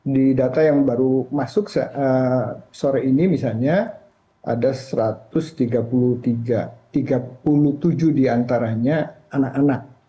di data yang baru masuk sore ini misalnya ada satu ratus tiga puluh tujuh diantaranya anak anak